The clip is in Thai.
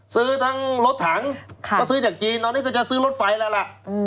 ซื้อทั้งรถถังก็ซื้อจากจีนตอนนี้ก็จะซื้อรถไฟแล้วล่ะ